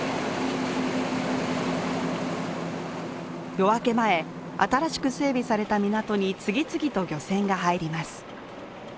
夜明け前、新しく整備された港に次々と漁船が入ります。